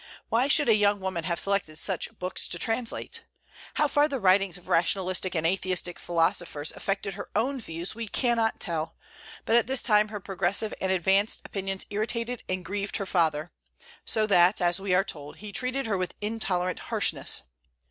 Why should a young woman have selected such books to translate? How far the writings of rationalistic and atheistic philosophers affected her own views we cannot tell; but at this time her progressive and advanced opinions irritated and grieved her father, so that, as we are told, he treated her with intolerant harshness.